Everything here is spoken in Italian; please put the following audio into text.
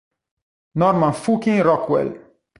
Norman Fucking Rockwell!